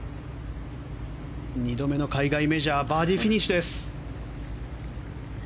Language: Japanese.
２度目の海外メジャーバーディーフィニッシュです！